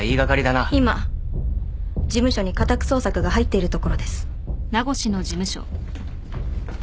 今事務所に家宅捜索が入っているところです。